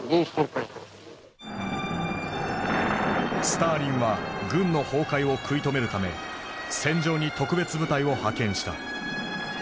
スターリンは軍の崩壊を食い止めるため戦場に特別部隊を派遣した。